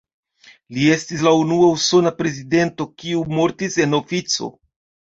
Li estis la unua usona prezidento, kiu mortis en ofico.